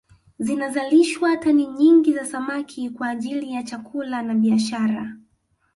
Zinazalishwa tani nyingi za samaki kwa ajili ya chakula na biashara